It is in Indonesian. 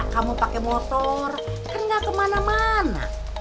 kamu pakai motor kan gak kemana mana